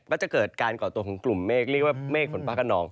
ก็จะเกิดการก่อตัวของกลุ่มเมฆเรียกว่าเมฆฝนฟ้ากระนอง